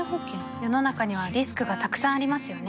世の中にはリスクがたくさんありますよね